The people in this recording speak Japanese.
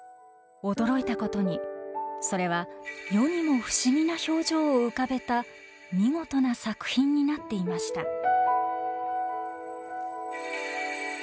驚いたことにそれは世にも不思議な表情を浮かべた見事な作品になっていました。